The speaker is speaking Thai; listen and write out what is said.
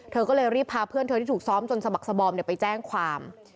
เธอก็เลยรีบพาเพื่อนเธอที่ถูกซ้อมจนสะบักสบอมไปแจ้งความ